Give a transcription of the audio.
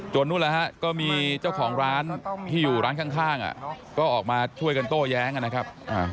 นู่นแล้วฮะก็มีเจ้าของร้านที่อยู่ร้านข้างก็ออกมาช่วยกันโต้แย้งนะครับ